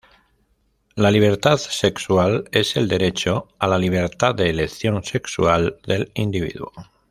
La libertad sexual es el derecho a la libertad de elección sexual del individuo.